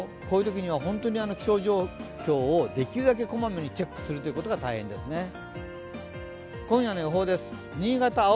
こういうときには本当に気象状況をできるだけこまめにチェックすることが大切ですね。